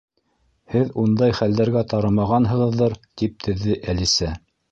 — Һеҙ ундай хәлдәргә тарымағанһығыҙҙыр, — тип теҙҙе Әлисә.